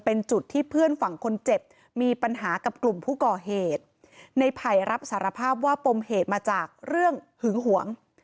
เป็นจุดที่เพื่อนฝั่งคนเจ็บมีปัญหากับกลุ่มผู้ก่อเหตุในไผ่รับสารภาพว่าปมเหตุมาจากเรื่องหึงหวง